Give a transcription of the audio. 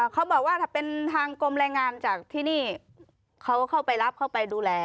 เขาบอกว่าถ้าเป็นทางกรมแรงงานจากที่นี่เขาเข้าไปรับเข้าไปดูแล